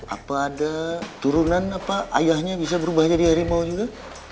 apa ada turunan apa ayahnya bisa berubah jadi harimau gitu